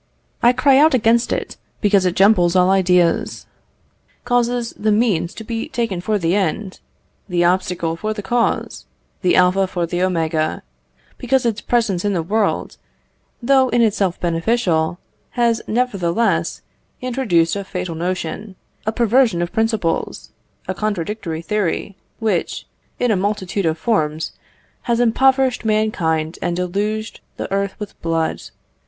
I cry out against it, because it jumbles all ideas, causes the means to be taken for the end, the obstacle for the cause, the alpha for the omega; because its presence in the world, though in itself beneficial, has, nevertheless, introduced a fatal notion, a perversion of principles, a contradictory theory, which, in a multitude of forms, has impoverished mankind and deluged the earth with blood.